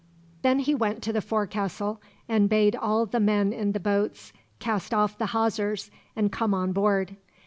Then he went to the forecastle, and bade all the men in the boats cast off the hawsers and come on board.